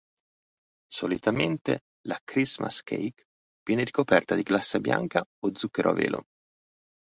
Solitamente la "Christmas cake" viene ricoperta di glassa bianca o zucchero a velo.